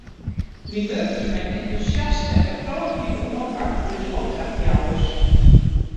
Wy wurkje mei in entûsjaste en pro-aktive oanpak foar ús opdrachtjouwers.